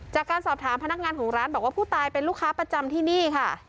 จากการสอบถามพนักงานของร้านบอกว่าผู้ตายเป็นลูกค้าประจำที่นี่ค่ะ